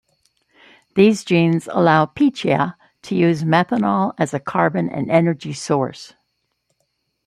These genes allow "Pichia" to use methanol as a carbon and energy source.